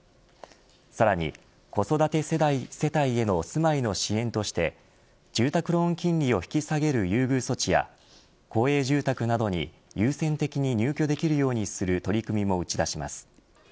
さらに子育て世帯への住まいの支援として住宅ローン金利を引き下げる優遇措置や公営住宅などに優先的に入居できるようにする取り組みを持ち出します。